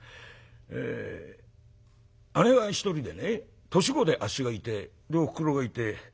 姉は一人でね年子であっしがいてでおふくろがいて。